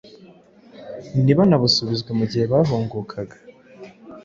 ntibanabusubizwe mu gihe bahungukaga.